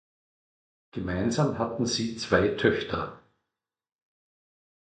Gemeinsam hatten sie zwei Töchter.